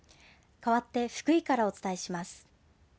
かわって福井からお伝えします。